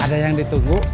ada yang ditunggu